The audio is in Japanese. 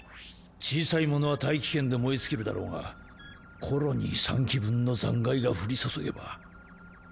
小さいものは大気圏で燃え尽きるだろうがコロニー３基分の残骸が降り注げば。